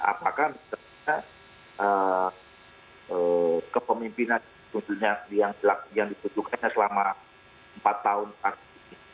apakah misalnya kepemimpinan yang ditutupkan selama empat tahun pasti